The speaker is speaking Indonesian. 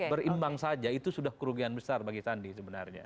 berimbang saja itu sudah kerugian besar bagi sandi sebenarnya